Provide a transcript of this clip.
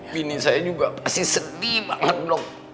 bini saya juga pasti sedih banget dok